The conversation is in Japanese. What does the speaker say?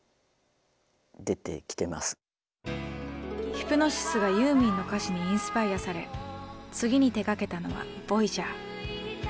ヒプノシスがユーミンの歌詞にインスパイアされ次に手がけたのは「ＶＯＹＡＧＥＲ」。